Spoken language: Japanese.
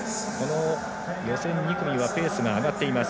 予選２組はペースが上がっています。